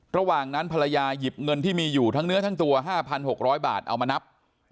ระหว่างนั้นภรรยาหยิบเงินที่มีอยู่ทั้งเนื้อทั้งตัว๕๖๐๐บาทเอามานับ